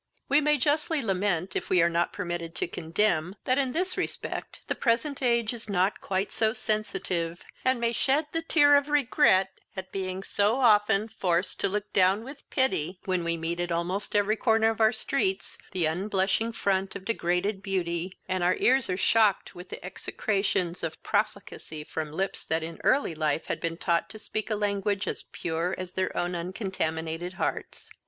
We may justly lament, if we are not permitted to condemn, that in this respect the present age is not quite so sensitive, and may shed the tear of regret at being so often forced to look down with pity, when we meet, at almost every corner of our streets, the unblushing front of degraded beauty, and our ears are shocked with the execrations of profligacy from lips that in early life had been taught to speak a language as pure as their own uncontaminated hearts.